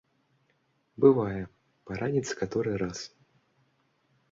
Бывае, параніцца каторы раз.